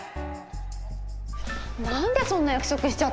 何でそんな約束しちゃったの？